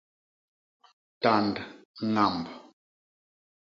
Tand ñamb.